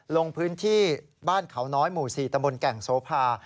ลงพื้นที่บ้านเขาน้อยหมู่๔ตำบลแก่งโสภา